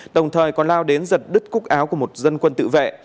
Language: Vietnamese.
đồng thời còn lao đến giật đứt cúc áo của một dân quân tự vệ